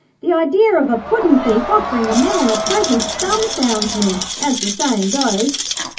'The idea of a puddin' thief offering a man a present dumbfounds me, as the saying goes.'